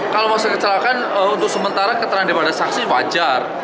kalau masuk kecelakaan untuk sementara kecerdanya pada saksi wajar